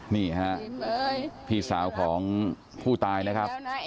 นี่ฮะพี่สาวของผู้ตายนะครับ